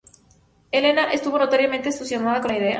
Helena estuvo notoriamente entusiasmada con la idea.